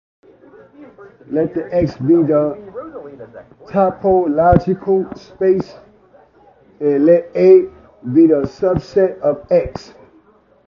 Let "X" be a topological space, and let "A" be a subset of "X".